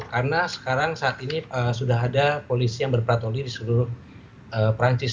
karena sekarang saat ini sudah ada polisi yang berpatoli di seluruh perancis